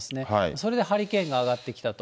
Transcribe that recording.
それでハリケーンが上がってきたと。